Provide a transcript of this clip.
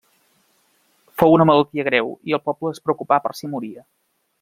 Fou una malaltia greu, i el poble es preocupà per si moria.